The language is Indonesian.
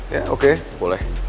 ya oke boleh